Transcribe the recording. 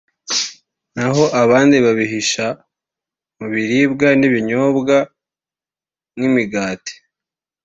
naho abandi babihisha mu biribwa n’ibinyobwa nk’imigati